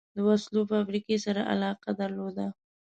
د وسلو فابریکې سره علاقه درلوده.